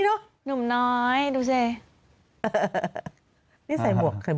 ๔๕ล้านนะ